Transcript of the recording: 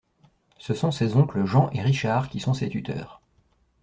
Ce sont ses oncles Jean et Richard qui sont ses tuteurs.